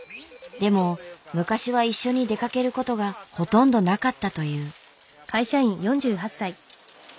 でも昔は一緒に出かけることがほとんどなかったという。